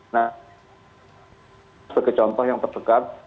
nah sebagai contoh yang terdekat